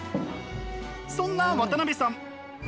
そんな渡辺さん